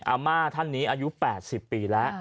อาม่าท่านนี้อายุ๘๐ปีแล้ว